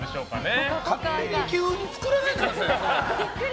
勝手に急に作らないでください。